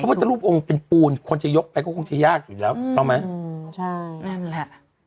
พุทธรูปองค์เป็นปูนคนจะยกไปก็คงจะยากอยู่แล้วต้องไหมอืมใช่นั่นแหละ